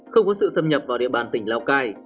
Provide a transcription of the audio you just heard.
không có sự xâm nhập vào địa bàn tỉnh lào cai